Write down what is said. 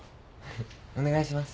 お願いします。